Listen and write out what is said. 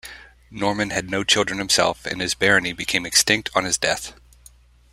Norman had no children himself and his barony became extinct on his death.